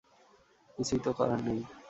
কিছুই তো করার নেই।